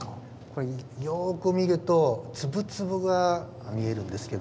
これよく見ると粒々が見えるんですけど。